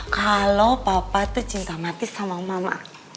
kalau papa itu cinta mati sama mama